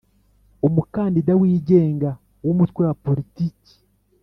Umukandida wigenga w Umutwe wa Politiki